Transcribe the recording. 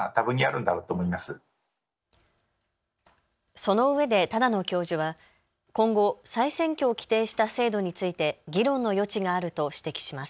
そのうえで只野教授は今後、再選挙を規定した制度について議論の余地があると指摘します。